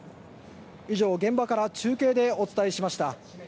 以上、現場から中継でお伝えしました。